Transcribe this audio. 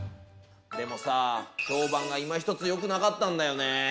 でもさ評判がいまひとつよくなかったんだよね。